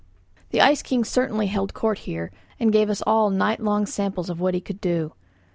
The ice king certainly held court here, and gave us all night long samples of what he could do.